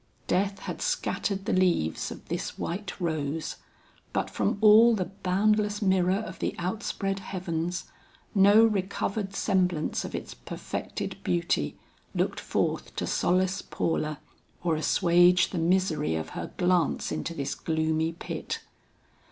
Death had scattered the leaves of this white rose, but from all the boundless mirror of the outspread heavens, no recovered semblance of its perfected beauty, looked forth to solace Paula or assuage the misery of her glance into this gloomy pit.